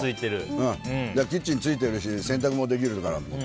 キッチンがついてるし洗濯もできるからと思って。